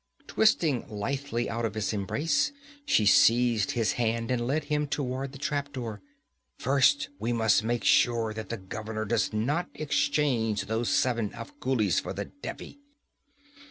Twisting lithely out of his embrace, she seized his hand and led him toward the trap door. 'First we must make sure that the governor does not exchange those seven Afghulis for the Devi.'